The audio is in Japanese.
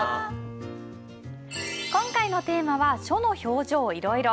今回のテーマは「書の表情いろいろ」。